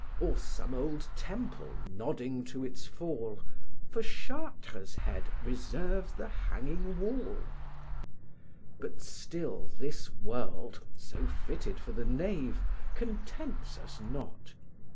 Or some old temple, nodding to its fall, For Chartres' head reserve the hanging wall? But still this world (so fitted for the knave) Contents us not.